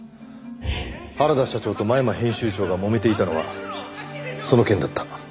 原田社長と真山編集長がもめていたのはその件だった。